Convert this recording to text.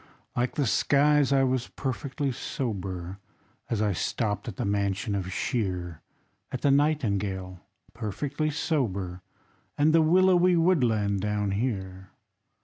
Like the skies, I was perfectly sober, As I stopped at the mansion of Shear, At the Nightingale, perfectly sober, And the willowy woodland down here.